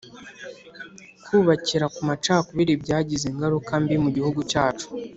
kubakira ku macakubiri byagize ingaruka mbi mugihugu cyacu